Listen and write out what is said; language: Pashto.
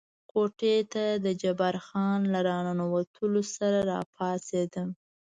کوټې ته د جبار خان له را ننوتلو سره را پاڅېدم.